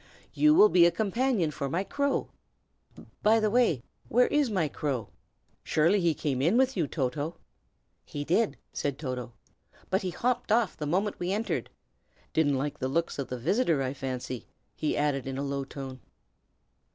You will be a companion for my crow By the way, where is my crow? Surely he came in with you, Toto?" "He did," said Toto, "but he hopped off the moment we entered. Didn't like the looks of the visitor, I fancy," he added in a low tone.